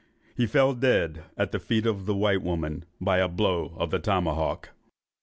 He fell dead at the feet of the white woman by a blow of the tomahawk."